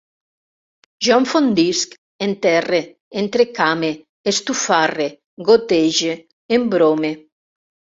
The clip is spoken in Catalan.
Jo enfondisc, enterre, entrecame, estufarre, gotege, embrome